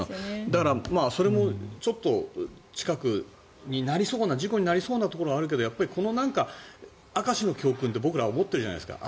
だから、それもちょっと近く事故になりそうなところはあるけどこの明石の教訓って僕らは思ってるじゃないですか。